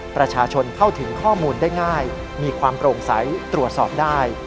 ประชาชนเข้าถึงข้อมูลได้ง่ายมีความโปร่งใสตรวจสอบได้